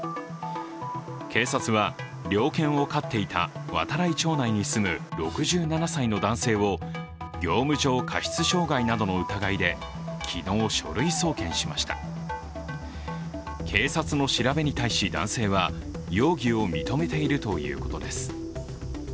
警察は猟犬を飼っていた度会町内に住む６７歳の男性を業務上過失傷害の疑いで昨日書類送検しました警察の調べに対し、男性は容疑を認めているということです。